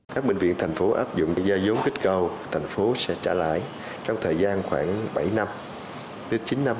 các bệnh viện thành phố áp dụng giai dốn kích cầu thành phố sẽ trả lại trong thời gian khoảng bảy chín năm